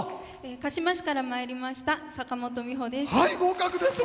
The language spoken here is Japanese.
鹿島市からまいりましたさかもとです。